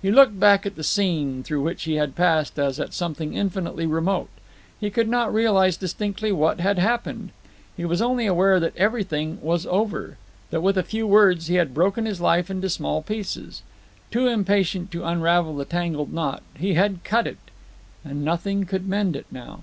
He looked back at the scene through which he had passed as at something infinitely remote. He could not realize distinctly what had happened. He was only aware that everything was over, that with a few words he had broken his life into small pieces. Too impatient to unravel the tangled knot, he had cut it, and nothing could mend it now.